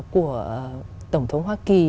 của tổng thống hoa kỳ